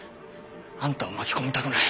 あんたを巻き込みたくない。